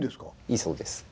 いいそうです。